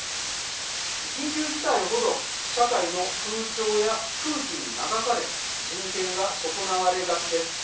緊急事態ほど社会の風潮や空気に流され人権が損なわれがちです。